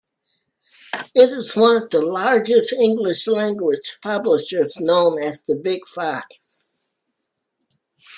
It is one of the largest English-language publishers, known as the "Big Five".